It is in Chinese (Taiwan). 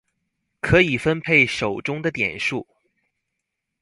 可以分配手中的點數